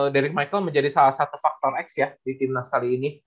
derec michael menjadi salah satu faktor x ya di timnas kali ini